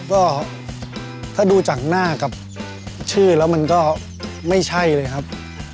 ก็ถ้าดูจากหน้ากับชื่อแล้วมันก็ไม่ใช่เลยครับ